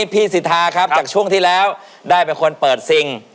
สิทธาครับจากช่วงที่แล้วได้เป็นคนเปิดซิง